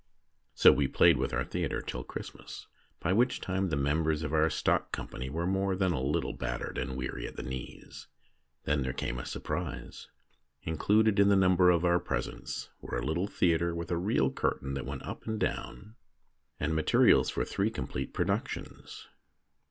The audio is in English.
So we played with our theatre till Christ mas, by which time the members of our stock company were more than a little battered and weary at the knees. Then there came a surprise. Included in the number of our presents were a little theatre with a real curtain that went up and down, and materials for three complete productions.